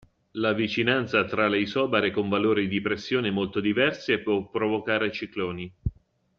La vicinanza tra le isobare con valori di pressione molto diversi può provocare cicloni.